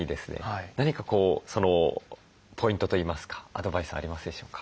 何かポイントといいますかアドバイスありますでしょうか？